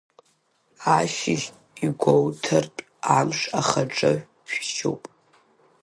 Ашьыжь, игәоуҭартә амш ахаҿы шәшьуп.